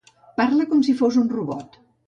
Parla com si fos un robot